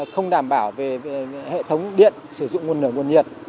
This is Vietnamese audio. không đảm bảo về hệ thống điện sử dụng nguồn nửa nguồn nhiệt